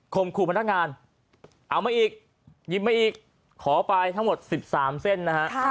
ขู่พนักงานเอามาอีกหยิบมาอีกขอไปทั้งหมด๑๓เส้นนะฮะ